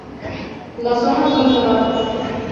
Las hojas son cerradas.